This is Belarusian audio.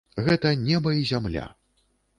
Гэта неба і зямля.